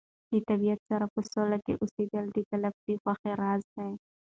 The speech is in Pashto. د طبیعت سره په سوله کې اوسېدل د تلپاتې خوښۍ راز دی.